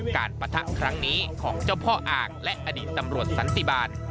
ปะทะครั้งนี้ของเจ้าพ่ออ่างและอดีตตำรวจสันติบาล